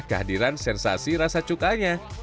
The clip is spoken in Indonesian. kehadiran sensasi rasa cukanya